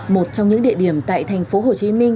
một trong những địa điểm tại tp hcm